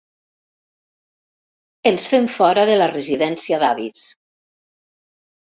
Els fem fora de la residència d'avis.